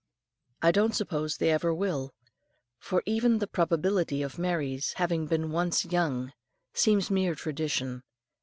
I don't suppose they ever will, for even the probability of Mary's having been once young seems mere tradition.